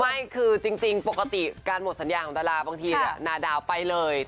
ไม่คือจริงปกติการหมดสัญญาของดาราบางทีนาดาวไปเลย